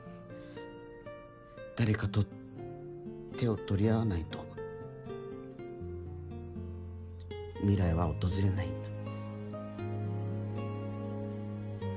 誰かと手を取り合わないと未来は訪れないんだ。